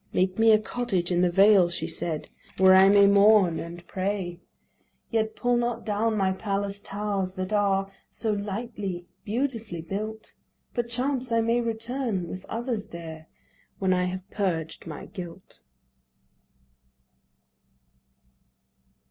"Make me a cottage in the vale," she said, "Where I may mourn and pray. "Yet pull not down my palace towers, that are So lightly, beautifully built. Perchance I may return with others there When I have purged my guilt."